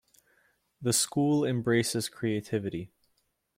The School embraces creativity.